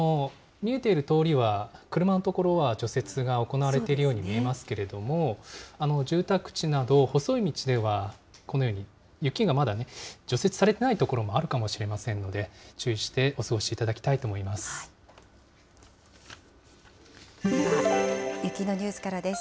見えている通りは、車の所は除雪が行われているように見えますけれども、住宅地など、細い道ではこのように雪がまだね、除雪されていない所もあるかもしれませんので、注意してお過ごしいただきたいと思います。